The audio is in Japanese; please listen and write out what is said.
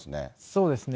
そうですね。